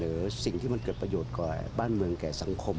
หรือสิ่งที่มันเกิดประโยชน์กว่าบ้านเมืองแก่สังคม